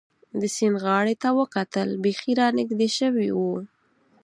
د سیند غاړې ته وکتل، بېخي را نږدې شوي و.